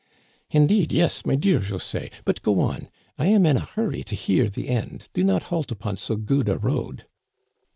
" Indeed, yes, my dear José ; but go on. I am in a hurry to hear the end. Do not halt upon so good a road."